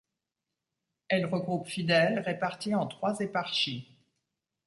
Elle regroupe fidèles, répartis en trois éparchies.